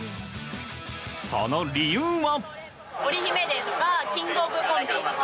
その理由は。